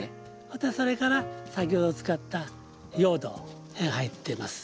またそれから先ほど使った用土入ってます。